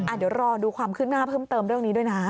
เดี๋ยวรอดูความคืบหน้าเพิ่มเติมเรื่องนี้ด้วยนะ